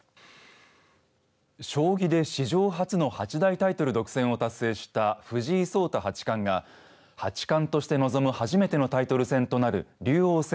将棋で史上初の八大タイトル独占を達成した藤井聡太八冠が八冠として臨む初めてのタイトル戦となる竜王戦